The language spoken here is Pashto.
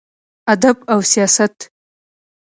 ادب او سياست: